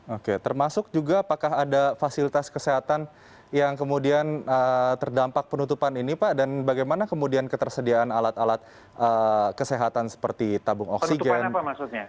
oke termasuk juga apakah ada fasilitas kesehatan yang kemudian terdampak penutupan ini pak dan bagaimana kemudian ketersediaan alat alat kesehatan seperti tabung oksigen